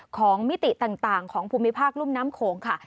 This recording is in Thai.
มิติต่างของภูมิภาครุ่มน้ำโขงค่ะ